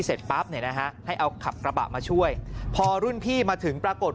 เสร็จปั๊บเนี่ยนะฮะให้เอาขับกระบะมาช่วยพอรุ่นพี่มาถึงปรากฏ